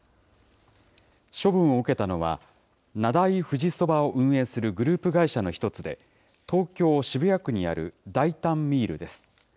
処分を受けたのは、名代富士そばを運営するグループ会社の１つで、東京・渋谷区にあるダイタンミールです。